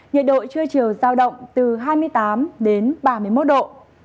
nhiệt độ trưa chiều giao động từ hai mươi tám đến ba mươi một độ